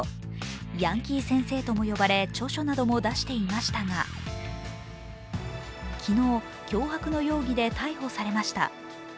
ヤンキー先生とも呼ばれ、著書なども出していましたが、昨日、脅迫の容疑で逮捕されました。